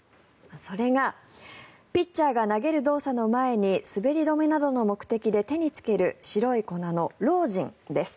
それがピッチャーが投げる動作の前に滑り止めなどの目的で手につける白い粉のロージンです。